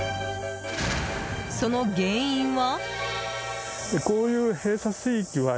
その原因は。